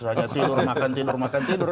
soalnya tidur makan tidur makan tidur